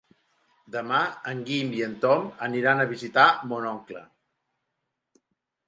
Demà en Guim i en Tom aniran a visitar mon oncle.